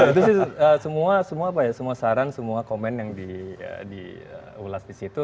itu sih semua apa ya semua saran semua komen yang diulas di situ